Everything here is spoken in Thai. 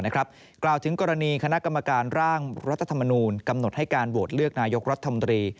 กล่าวถึงกรณีคณะกรรมการร่างรัฐธรรมนูลกำหนดให้การโหวตเลือกนายกรัฐมนตรี